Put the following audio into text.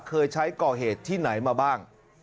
เคยใช้ก่อเหตุที่ไหนมาบ้าง